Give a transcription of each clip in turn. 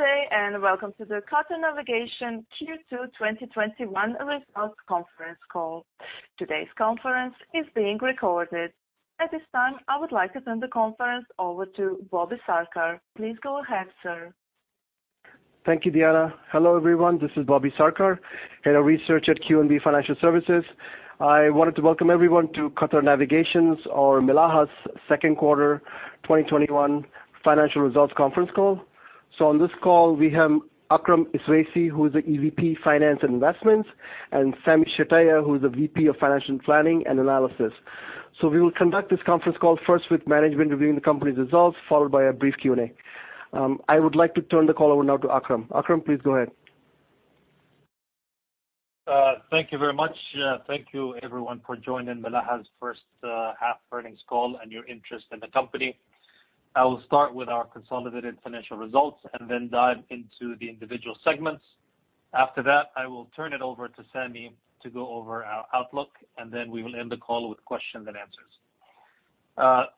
Good day, and welcome to the Qatar Navigation Q2 2021 results conference call. Today's conference is being recorded. At this time, I would like to turn the conference over to Bobby Sarkar. Please go ahead, sir. Thank you, Deanna. Hello, everyone. This is Bobby Sarkar, Head of Research at QNB Financial Services. I wanted to welcome everyone to Qatar Navigation or Milaha's second quarter 2021 financial results conference call. On this call, we have Akram Iswaisi, who is the EVP Finance & Investments, and Sami Shtayyeh, who is the VP of Financial Planning and Analysis. We will conduct this conference call first with management reviewing the company's results, followed by a brief Q&A. I would like to turn the call over now to Akram. Akram, please go ahead. Thank you very much. Thank you everyone for joining Milaha's first half earnings call and your interest in the company. I will start with our consolidated financial results and then dive into the individual segments. After that, I will turn it over to Sami to go over our outlook, and then we will end the call with questions and answers.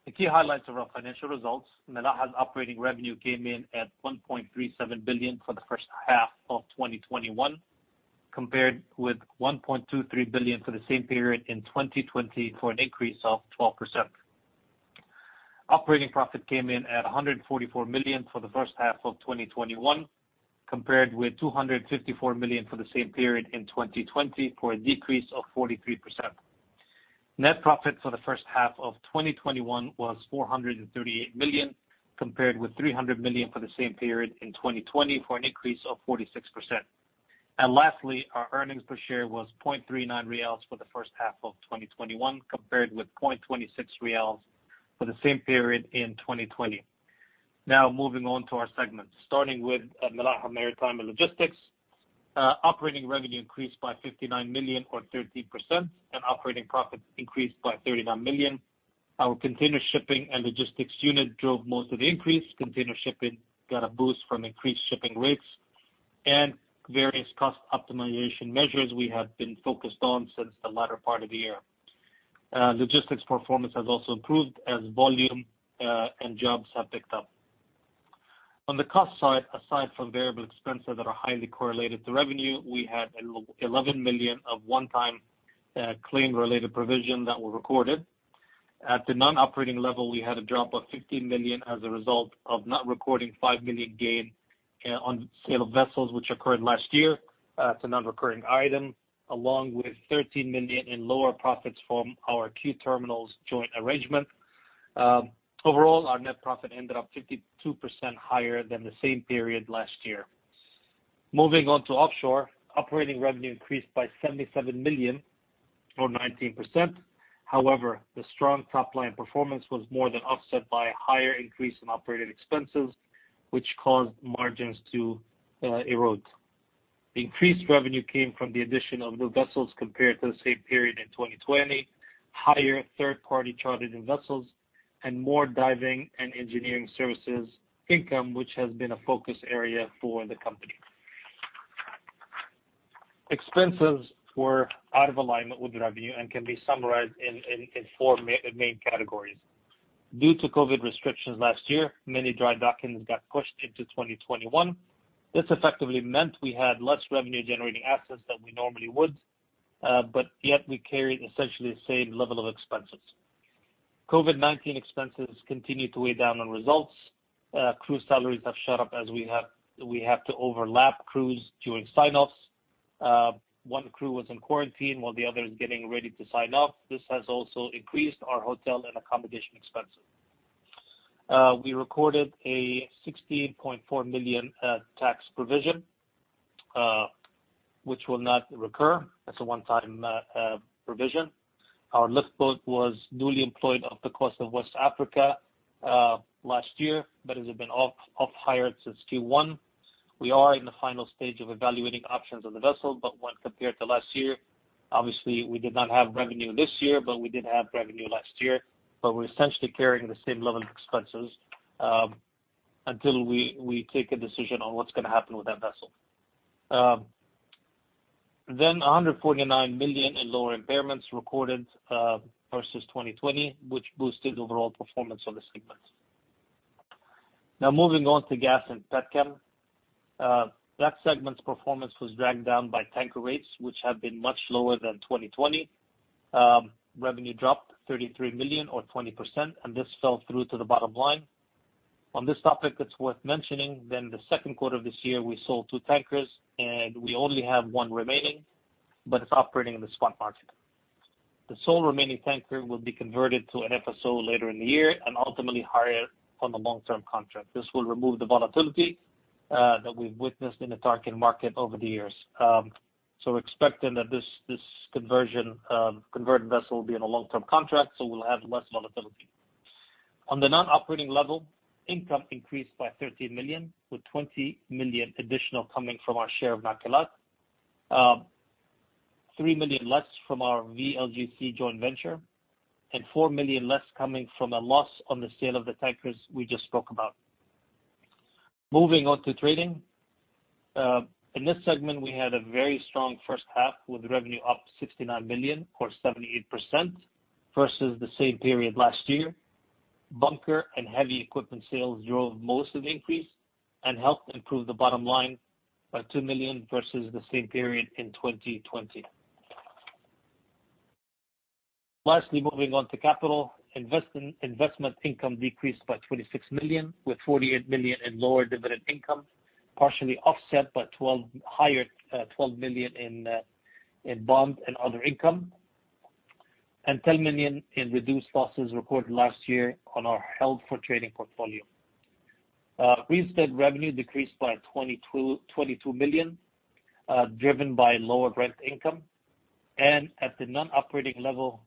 The key highlights of our financial results, Milaha's operating revenue came in at 1.37 billion for the first half of 2021, compared with 1.23 billion for the same period in 2020 for an increase of 12%. Operating profit came in at 144 million for the first half of 2021, compared with 254 million for the same period in 2020 for a decrease of 43%. Net profit for the first half of 2021 was 438 million, compared with 300 million for the same period in 2020 for an increase of 46%. Lastly, our earnings per share was 0.39 QAR for the first half of 2021, compared with 0.26 QAR for the same period in 2020. Now moving on to our segments. Starting with Milaha Maritime & Logistics. Operating revenue increased by 59 million or 13%, and operating profits increased by 39 million. Our container shipping and logistics unit drove most of the increase. Container shipping got a boost from increased shipping rates and various cost optimization measures we have been focused on since the latter part of the year. Logistics performance has also improved as volume and jobs have picked up. On the cost side, aside from variable expenses that are highly correlated to revenue, we had 11 million of one-time claim related provision that were recorded. At the non-operating level, we had a drop of 15 million as a result of not recording 5 million gain on sale of vessels which occurred last year. It's a non-recurring item. Along with 13 million in lower profits from our QTerminals joint arrangement. Overall, our net profit ended up 52% higher than the same period last year. Moving on to Offshore. Operating revenue increased by 77 million or 19%. However, the strong top-line performance was more than offset by a higher increase in operating expenses, which caused margins to erode. The increased revenue came from the addition of new vessels compared to the same period in 2020, higher third-party chartered vessels, and more diving and engineering services income, which has been a focus area for the company. Expenses were out of alignment with revenue and can be summarized in four main categories. Due to COVID restrictions last year, many dry dockings got pushed into 2021. Yet we carried essentially the same level of expenses. COVID-19 expenses continued to weigh down on results. Crew salaries have shot up as we have to overlap crews during sign-offs. One crew was in quarantine while the other is getting ready to sign off. This has also increased our hotel and accommodation expenses. We recorded a 16.4 million tax provision, which will not recur. That's a one-time provision. Our lift boat was newly employed off the coast of West Africa last year. It has been off-hired since Q1. We are in the final stage of evaluating options on the vessel. When compared to last year, obviously we did not have revenue this year. We did have revenue last year. We're essentially carrying the same level of expenses until we take a decision on what's going to happen with that vessel. 149 million in lower impairments recorded versus 2020, which boosted overall performance on the segment. Moving on to Gas & Petrochem. That segment's performance was dragged down by tanker rates, which have been much lower than 2020. Revenue dropped 33 million or 20%, and this fell through to the bottom line. On this topic, it's worth mentioning that in the second quarter of this year, we sold two tankers and we only have one remaining, but it's operating in the spot market. The sole remaining tanker will be converted to an FSO later in the year and ultimately hired on a long-term contract. This will remove the volatility that we've witnessed in the tanker market over the years. We're expecting that this converted vessel will be in a long-term contract, so we'll have less volatility. On the non-operating level, income increased by 13 million, with 20 million additional coming from our share of Nakilat, 3 million less from our VLGC joint venture, and 4 million less coming from a loss on the sale of the tankers we just spoke about. Moving on to Trading. In this segment, we had a very strong first half with revenue up to 69 million or 78%, versus the same period last year. Bunker and heavy equipment sales drove most of the increase and helped improve the bottom line by 2 million versus the same period in 2020. Lastly, moving on to Capital. Investment income decreased by 26 million, with 48 million in lower dividend income, partially offset by higher 12 million in bond and other income, and 10 million in reduced losses recorded last year on our held-for-trading portfolio. Real estate revenue decreased by 22 million, driven by lower rent income. At the non-operating level,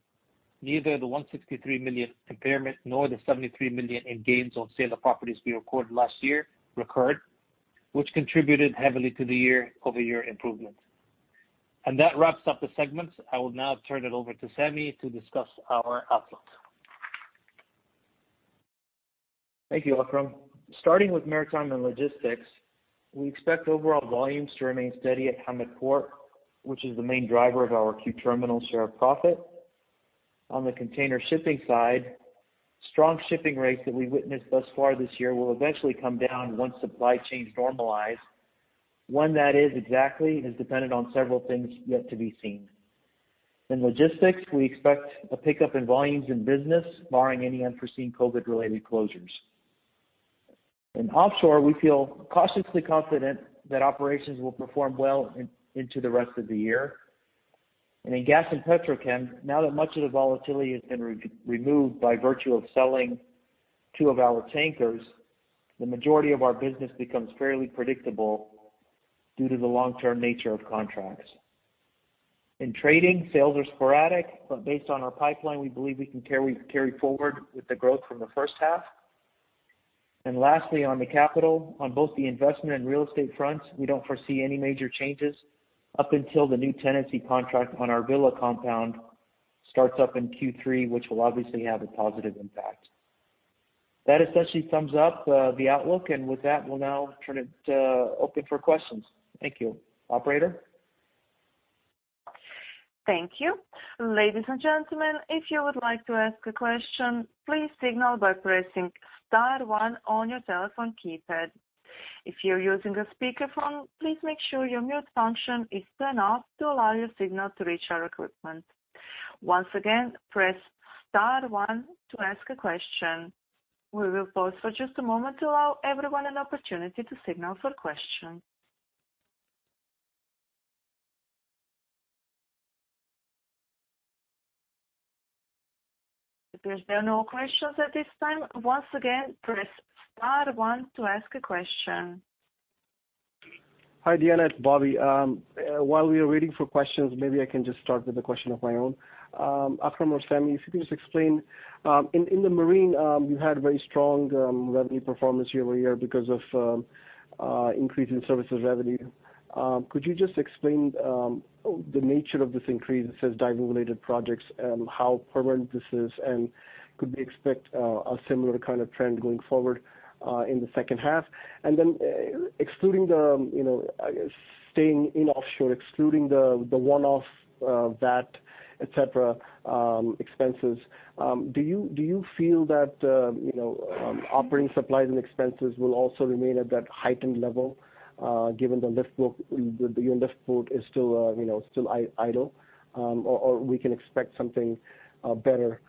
neither the 163 million impairment nor the 73 million in gains on sale of properties we recorded last year recurred, which contributed heavily to the year-over-year improvement. That wraps up the segments. I will now turn it over to Sami to discuss our outlook. Thank you, Akram. Starting with Maritime & Logistics, we expect overall volumes to remain steady at Hamad Port, which is the main driver of our QTerminals share of profit. On the container shipping side, strong shipping rates that we witnessed thus far this year will eventually come down once supply chains normalize. When that is exactly is dependent on several things yet to be seen. In Logistics, we expect a pickup in volumes in business, barring any unforeseen COVID-related closures. In Offshore, we feel cautiously confident that operations will perform well into the rest of the year. In Gas & Petrochem, now that much of the volatility has been removed by virtue of selling two of our tankers, the majority of our business becomes fairly predictable due to the long-term nature of contracts. In trading, sales are sporadic, based on our pipeline, we believe we can carry forward with the growth from the first half. Lastly, on the capital, on both the investment and real estate fronts, we don't foresee any major changes up until the new tenancy contract on our villa compound starts up in Q3, which will obviously have a positive impact. That essentially sums up the outlook. With that, we'll now turn it open for questions. Thank you. Operator? Thank you. Ladies and gentlemen, if you would like to ask a question, please signal by pressing star one on your telephone keypad. If you're using a speakerphone, please make sure your mute function is turned off to allow your signal to reach our equipment. Once again, press star one to ask a question. We will pause for just a moment to allow everyone an opportunity to signal for questions. It appears there are no questions at this time. Once again, press star one to ask a question. Hi, Deanna, it's Bobby Sarkar. While we are waiting for questions, maybe I can just start with a question of my own. Akram Iswaisi or Sami Shtayyeh, if you could just explain, in the marine, you had very strong revenue performance year-over-year because of increase in services revenue. Could you just explain the nature of this increase? It says diving-related projects, how permanent this is, and could we expect a similar kind of trend going forward in the second half? Excluding the, staying in offshore, excluding the one-off VAT, et cetera, expenses, do you feel that operating supplies and expenses will also remain at that heightened level, given the lift boat is still idle? Can we expect something better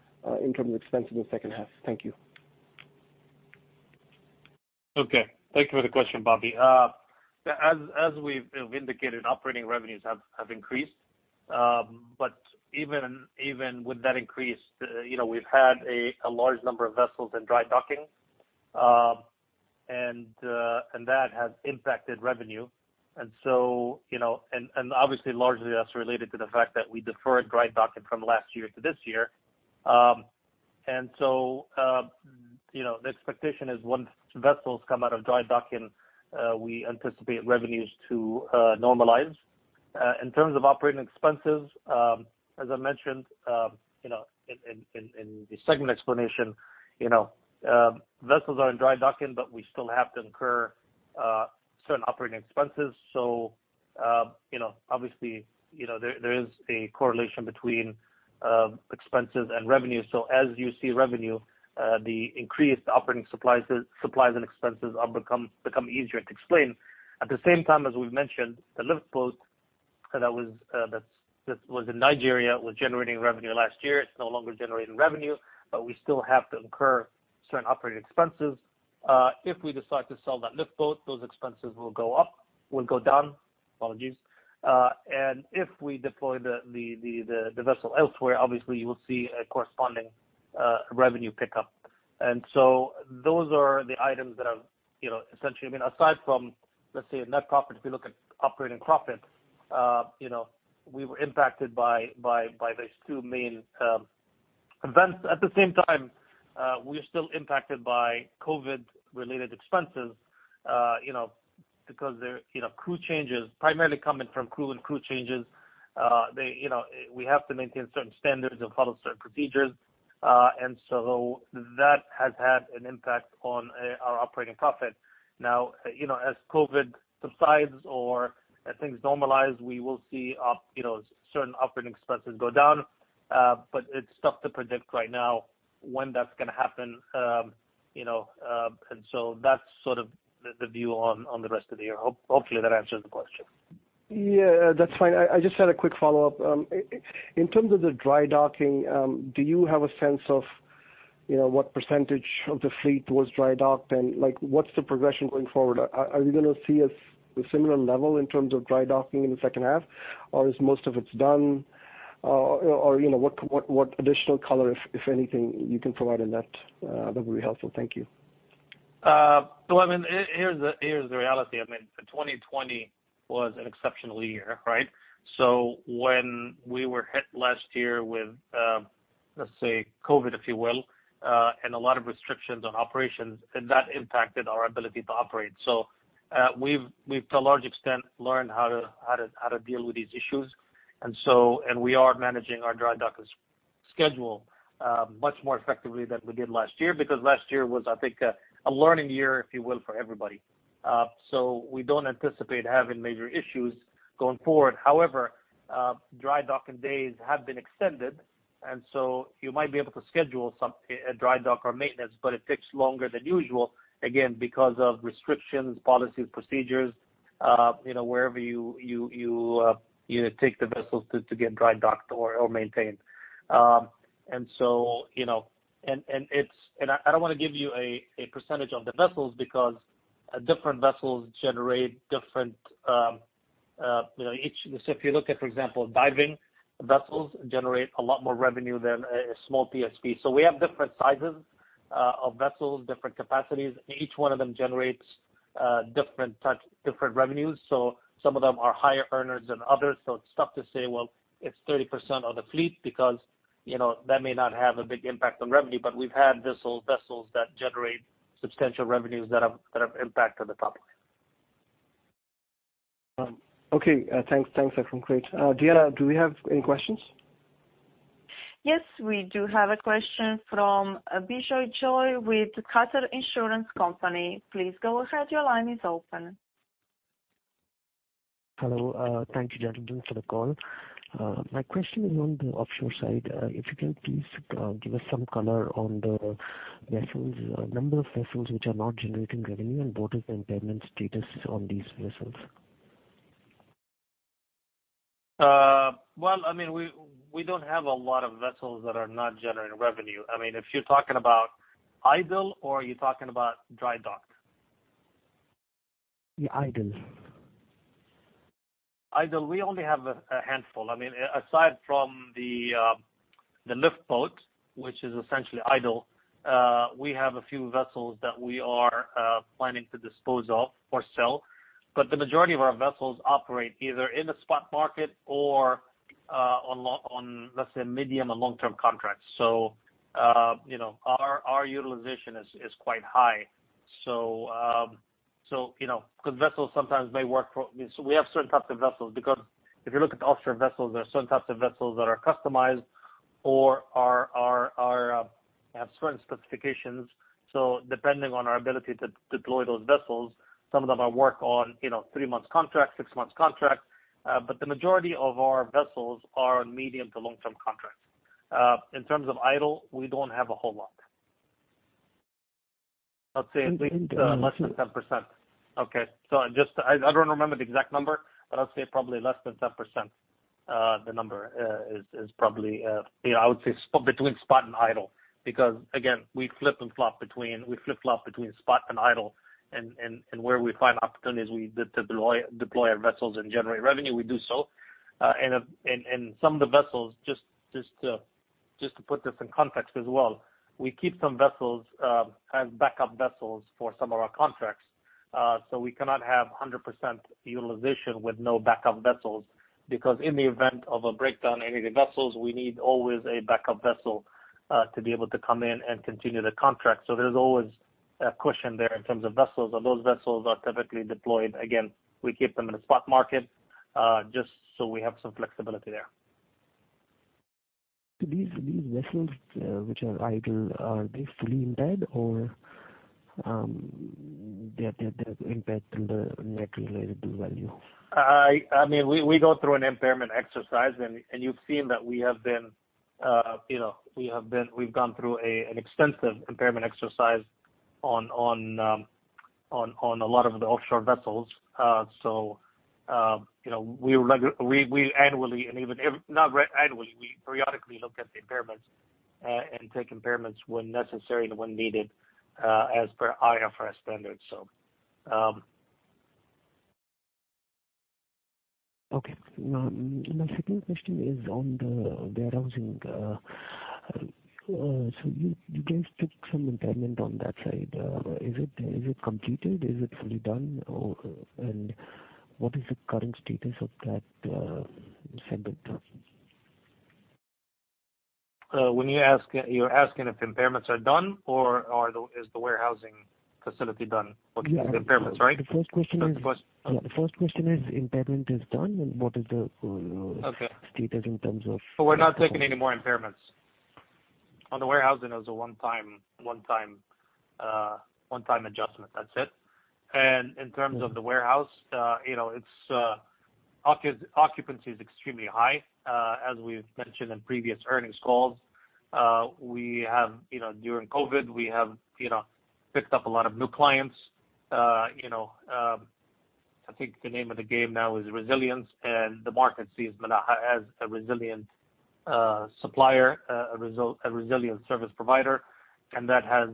in terms of expense in the second half? Thank you. Okay. Thank you for the question, Bobby. As we've indicated, operating revenues have increased. Even with that increase, we've had a large number of vessels in dry docking, and that has impacted revenue. Obviously, largely that's related to the fact that we deferred dry docking from last year to this year. The expectation is once vessels come out of dry docking, we anticipate revenues to normalize. In terms of operating expenses, as I mentioned in the segment explanation, vessels are in dry docking, but we still have to incur certain operating expenses. Obviously, there is a correlation between expenses and revenue. As you see revenue, the increased operating supplies and expenses become easier to explain. At the same time, as we've mentioned, the lift boat that was in Nigeria was generating revenue last year. It's no longer generating revenue, but we still have to incur certain operating expenses. If we decide to sell that lift boat, those expenses will go down. If we deploy the vessel elsewhere, obviously, you will see a corresponding revenue pickup. Those are the items that are essentially aside from, let's say, a net profit, if you look at operating profit, we were impacted by these two main events. At the same time, we are still impacted by COVID-related expenses, because crew changes, primarily coming from crew and crew changes. We have to maintain certain standards and follow certain procedures. That has had an impact on our operating profit. Now, as COVID subsides or as things normalize, we will see certain operating expenses go down. It's tough to predict right now when that's going to happen. That's sort of the view on the rest of the year. Hopefully, that answers the question. Yeah, that's fine. I just had a quick follow-up. In terms of the dry docking, do you have a sense of what percentage of the fleet was dry docked, and what's the progression going forward? Are we going to see a similar level in terms of dry docking in the second half, or is most of it done? What additional color, if anything, you can provide on that would be helpful. Thank you. Well, here's the reality. 2020 was an exceptional year, right? When we were hit last year with, let's say, COVID, if you will, and a lot of restrictions on operations, and that impacted our ability to operate. We've, to a large extent, learned how to deal with these issues. We are managing our dry docking schedule much more effectively than we did last year, because last year was, I think, a learning year, if you will, for everybody. We don't anticipate having major issues going forward. However, dry docking days have been extended, you might be able to schedule a dry dock or maintenance, but it takes longer than usual, again, because of restrictions, policies, procedures, wherever you take the vessels to get dry docked or maintained. I don't want to give you a percentage of the vessels, because different vessels generate different. If you look at, for example, diving vessels generate a lot more revenue than a small PSV. We have different sizes of vessels, different capacities. Each one of them generates different revenues. Some of them are higher earners than others. It's tough to say, well, it's 30% of the fleet, because that may not have a big impact on revenue. We've had vessels that generate substantial revenues that have impacted the topic. Okay. Thanks, Akram. Great. Deanna, do we have any questions? Yes, we do have a question from Bijoy Joy with Qatar Insurance Company. Please go ahead. Your line is open. Hello. Thank you, gentlemen, for the call. My question is on the offshore side. If you can please give us some color on the number of vessels which are not generating revenue, and what is the impairment status on these vessels? Well, we don't have a lot of vessels that are not generating revenue. If you're talking about idle or are you talking about dry docked? Yeah, idle. Idle, we only have a handful. Aside from the lift boat, which is essentially idle, we have a few vessels that we are planning to dispose of or sell. The majority of our vessels operate either in the spot market or on, let's say, medium or long-term contracts. Our utilization is quite high. Vessels sometimes we have certain types of vessels, because if you look at the offshore vessels, there are certain types of vessels that are customized or have certain specifications. Depending on our ability to deploy those vessels, some of them are worked on, three months contract, six months contract. The majority of our vessels are on medium to long-term contracts. In terms of idle, we don't have a whole lot. I'd say at least less than 10%. Okay. I don't remember the exact number, but I'd say probably less than 10%, the number is probably, I would say, between spot and idle. Again, we flip-flop between spot and idle. Where we find opportunities to deploy our vessels and generate revenue, we do so. Some of the vessels, just to put this in context as well, we keep some vessels as backup vessels for some of our contracts. We cannot have 100% utilization with no backup vessels, because in the event of a breakdown in any of the vessels, we need always a backup vessel to be able to come in and continue the contract. There's always a cushion there in terms of vessels, and those vessels are typically deployed. Again, we keep them in the spot market, just so we have some flexibility there. These vessels, which are idle, are they fully impaired, or they have impact on the net realizable value? We go through an impairment exercise, and you've seen that we've gone through an extensive impairment exercise on a lot of the offshore vessels. We annually, and even if not annually, we periodically look at the impairments, and take impairments when necessary and when needed as per IFRS standards. Okay. My second question is on the warehousing. You guys took some impairment on that side. Is it completed? Is it fully done? What is the current status of that segment? You're asking if impairments are done, or is the warehousing facility done? What's the impairments, right? The first question is, impairment is done. Okay Status in terms of- We're not taking any more impairments. On the warehousing, it was a one-time adjustment. That's it. In terms of the warehouse, occupancy is extremely high. As we've mentioned in previous earnings calls, during COVID, we have picked up a lot of new clients. I think the name of the game now is resilience, and the market sees Milaha as a resilient supplier, a resilient service provider. That has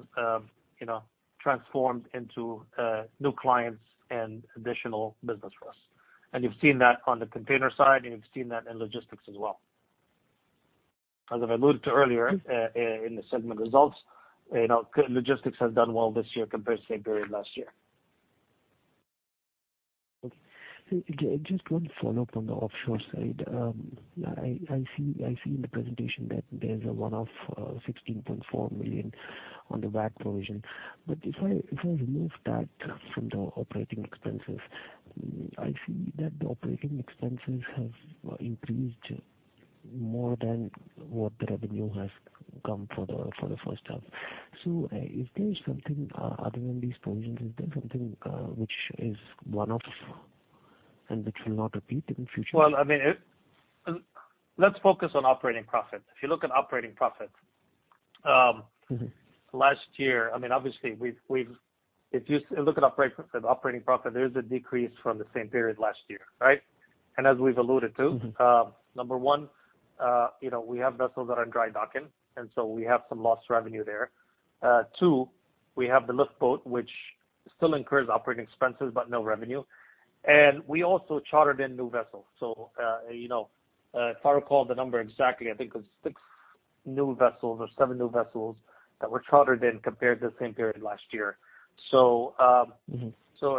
transformed into new clients and additional business for us. You've seen that on the container side, and you've seen that in Logistics as well. As I've alluded to earlier, in the segment results, Logistics has done well this year compared to the same period last year. Just one follow-up on the offshore side. I see in the presentation that there's a one-off, 16.4 million on the VAT provision. If I remove that from the operating expenses, I see that the operating expenses have increased more than what the revenue has come for the first half. Is there something other than these provisions? Is there something which is one-off and which will not repeat in future? Let's focus on operating profit. If you look at operating profit, last year, obviously, if you look at operating profit, there's a decrease from the same period last year, right? As we've alluded to, number one, we have vessels that are in dry docking, and so we have some lost revenue there. Two, we have the lift boat, which still incurs operating expenses, but no revenue. We also chartered in new vessels. If I recall the number exactly, I think it was six new vessels or seven new vessels that were chartered in compared to the same period last year.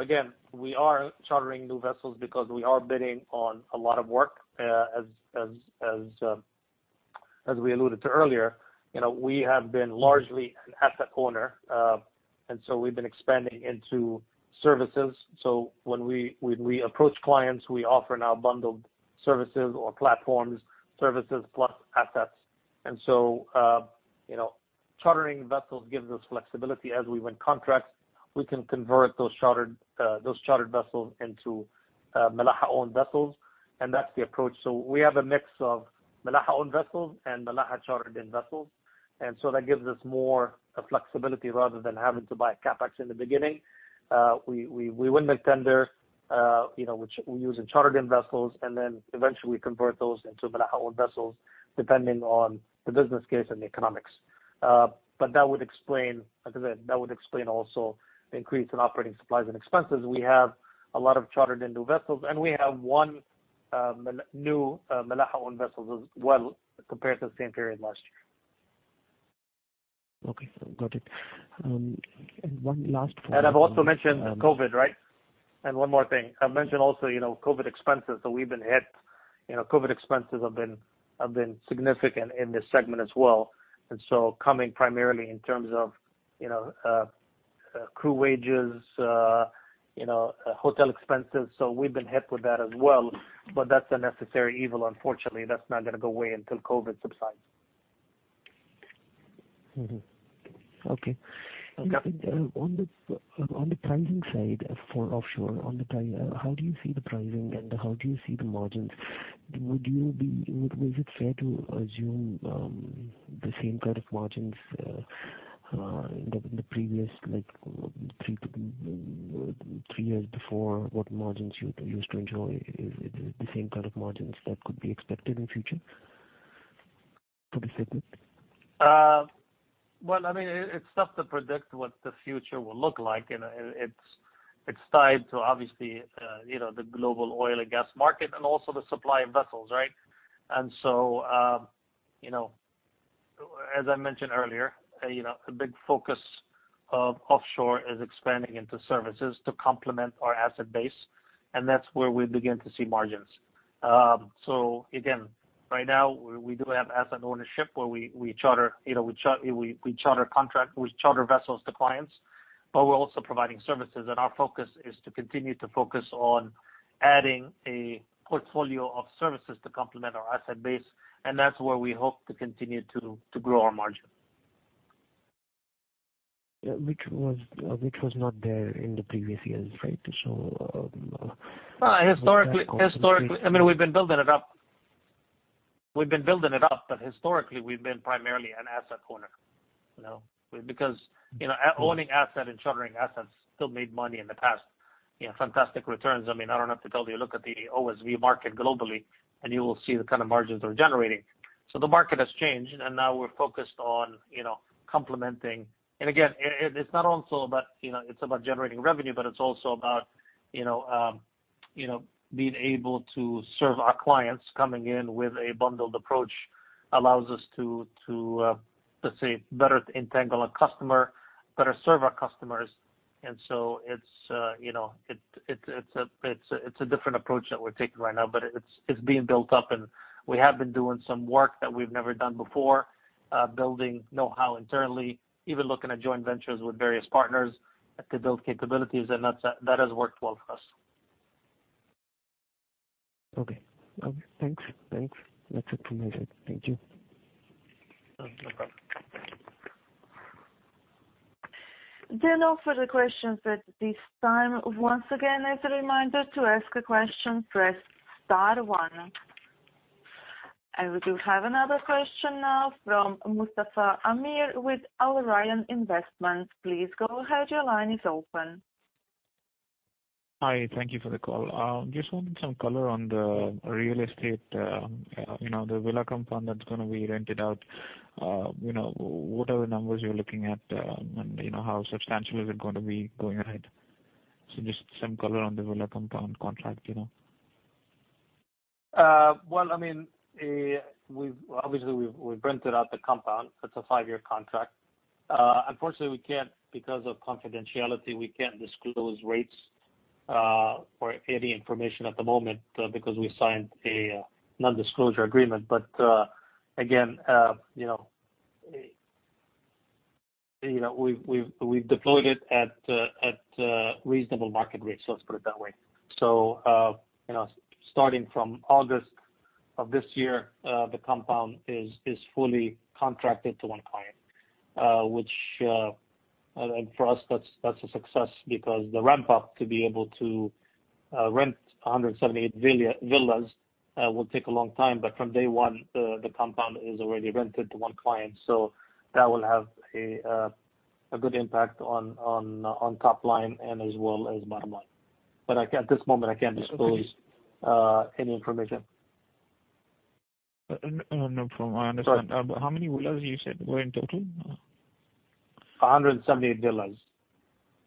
Again, we are chartering new vessels because we are bidding on a lot of work, as we alluded to earlier. We have been largely an asset owner, we've been expanding into services. When we approach clients, we offer now bundled services or platforms, services plus assets. Chartering vessels gives us flexibility as we win contracts. We can convert those chartered vessels into Milaha-owned vessels, and that's the approach. We have a mix of Milaha-owned vessels and Milaha-chartered vessels. That gives us more flexibility rather than having to buy CapEx in the beginning. We win the tender, which we use in chartered-in vessels, eventually we convert those into Milaha-owned vessels, depending on the business case and the economics. That would explain also the increase in operating supplies and expenses. We have a lot of chartered-in new vessels, and we have one new Milaha-owned vessels as well, compared to the same period last year. Okay. Got it. one last one. I've also mentioned COVID, right? One more thing. I've mentioned also COVID expenses. We've been hit. COVID expenses have been significant in this segment as well, coming primarily in terms of crew wages, hotel expenses. We've been hit with that as well, but that's a necessary evil, unfortunately. That's not going to go away until COVID subsides. Mm-hmm. Okay. Yeah. On the pricing side for Offshore, how do you see the pricing and how do you see the margins? Is it fair to assume the same kind of margins, like three years before, what margins you used to enjoy? Is it the same kind of margins that could be expected in future, for the segment? Well, it's tough to predict what the future will look like. It's tied to, obviously, the global oil and gas market and also the supply of vessels, right? As I mentioned earlier, a big focus of Milaha Offshore is expanding into services to complement our asset base, and that's where we begin to see margins. Again, right now, we do have asset ownership where we charter vessels to clients, but we're also providing services, and our focus is to continue to focus on adding a portfolio of services to complement our asset base, and that's where we hope to continue to grow our margin. Which was not there in the previous years, right? Historically, we've been building it up. Historically, we've been primarily an asset owner. Owning asset and chartering assets still made money in the past, fantastic returns. I don't have to tell you, look at the OSV market globally, and you will see the kind of margins they're generating. The market has changed, and now we're focused on complementing. Again, it's about generating revenue, but it's also about being able to serve our clients. Coming in with a bundled approach allows us to, let's say, better entangle a customer, better serve our customers. It's a different approach that we're taking right now, but it's being built up, and we have been doing some work that we've never done before, building knowhow internally, even looking at joint ventures with various partners to build capabilities, and that has worked well for us. Okay. Thanks. That's it from my side. Thank you. No problem. There are no further questions at this time. Once again, as a reminder, to ask a question, press star one. We do have another question now from Mustafa Amir with Al Rayan Investment. Please go ahead. Your line is open. Hi. Thank you for the call. Just wanted some color on the real estate, the villa compound that's going to be rented out. What are the numbers you're looking at, and how substantial is it going to be going ahead? Just some color on the villa compound contract. Obviously, we've rented out the compound. It's a five-year contract. Unfortunately, because of confidentiality, we can't disclose rates or any information at the moment because we signed a non-disclosure agreement. Again, we've deployed it at reasonable market rates, let's put it that way. Starting from August of this year, the compound is fully contracted to one client, which for us, that's a success because the ramp-up to be able to rent 178 villas will take a long time. From day one, the compound is already rented to one client. That will have a good impact on top line and as well as bottom line. At this moment, I can't disclose any information. No problem. I understand. How many villas you said were in total? 178 villas.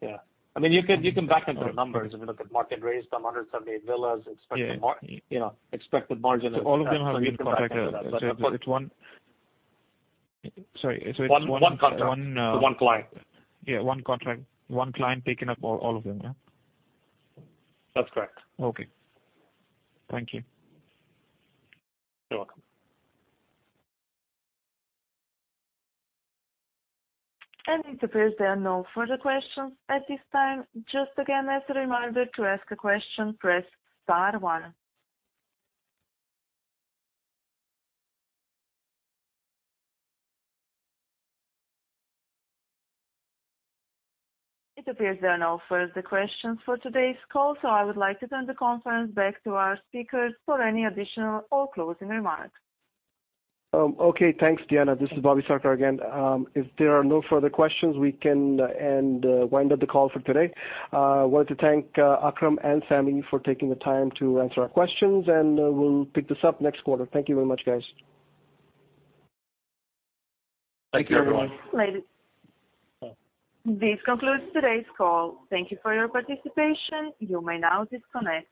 Yeah. You can back into the numbers if you look at market rates from 178 villas. All of them have been contracted. Sorry. One contract for one client. Yeah, one contract, one client taking up all of them, yeah? That's correct. Okay. Thank you. You're welcome. It appears there are no further questions at this time. Just again, as a reminder, to ask a question, press star one. It appears there are no further questions for today's call, I would like to turn the conference back to our speakers for any additional or closing remarks. Okay. Thanks, Deanna. This is Bobby Sarkar again. If there are no further questions, we can end, wind up the call for today. I wanted to thank Akram and Sami for taking the time to answer our questions, and we'll pick this up next quarter. Thank you very much, guys. Thank you, everyone. This concludes today's call. Thank you for your participation. You may now disconnect.